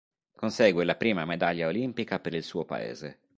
Consegue la prima medaglia olimpica per il suo paese.